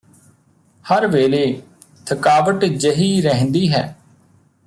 ਹਰ ਵੇਲੇ ਥਕਾਵਟ ਜਿਹੀ ਰਹਿੰਦੀ ਹੈ